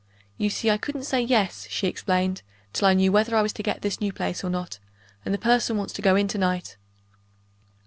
"You see I couldn't say Yes," she explained, "till I knew whether I was to get this new place or not and the person wants to go in tonight."